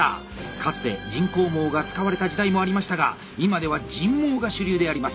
かつて人工毛が使われた時代もありましたが今では人毛が主流であります。